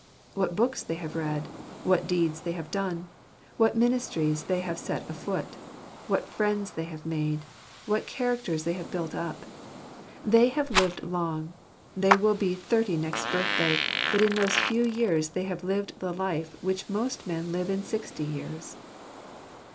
What books they have read ! What deeds they have done ! What ministries they have set afoot ! What friends they have made ! What characters they have built up ! They have lived long. They will be thirty next birthday ; but in those few years they have lived the life which most men live in sixty years.